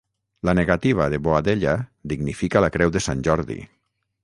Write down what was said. La negativa de Boadella dignifica la Creu de Sant Jordi.